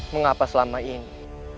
mengapa selama ini